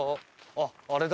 あっあれだ。